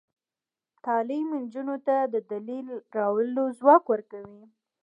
تعلیم نجونو ته د دلیل راوړلو ځواک ورکوي.